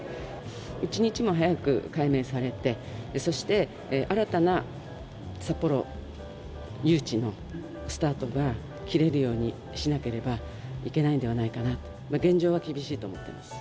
一日も早く解明されてそして新たな札幌誘致のスタートが切れるようにしなければいけないんじゃないかな。